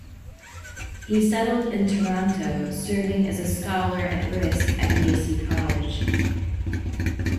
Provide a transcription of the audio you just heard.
He settled in Toronto, serving as a Scholar at Risk at Massey College.